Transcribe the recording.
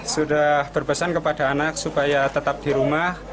sudah berpesan kepada anak supaya tetap di rumah